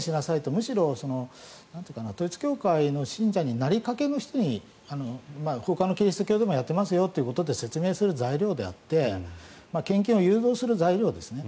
むしろ、統一教会の信者になりかけの人にほかのキリスト教でもやってますよと説明する材料であって献金を誘導する材料ですね。